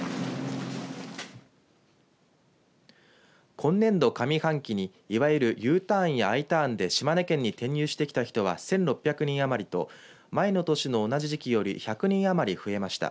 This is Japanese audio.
今年度上半期にいわゆるＵターンやＩターンで島根県に転入してきた人は１６００人余りと前の年の同じ時期より１００人余り増えました。